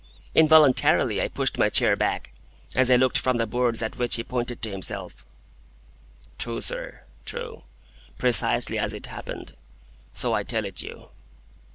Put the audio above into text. Involuntarily I pushed my chair back, as I looked from the boards at which he pointed to himself. "True, sir. True. Precisely as it happened, so I tell it you."